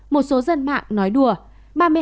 một số dân mạng nói đùa